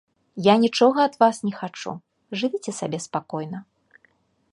Я нічога ад вас не хачу, жывіце сабе спакойна.